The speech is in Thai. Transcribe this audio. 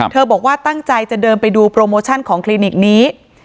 บอกว่าตั้งใจจะเดินไปดูโปรโมชั่นของคลินิกนี้